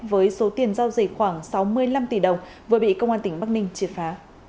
với số tiền giao dịch khoảng sáu mươi năm tỷ đồng vừa bị công an tỉnh bắc ninh triệt phá